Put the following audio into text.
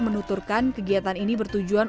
menuturkan kegiatan ini bertujuan